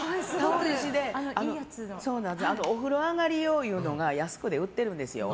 お風呂あがり用いうのが安くて売ってるんですよ。